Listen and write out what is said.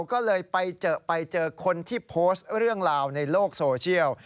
ก็เลยไปเจอไปเจอคนที่โพสต์เรื่องราวในโลกโซเชียล